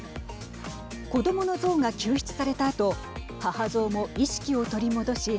子どものゾウが救出されたあと母ゾウも意識を取り戻し